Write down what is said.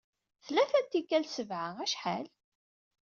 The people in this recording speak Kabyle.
Tlata n tikkal sebɛa, acḥal?